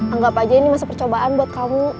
anggap aja ini masa percobaan buat kamu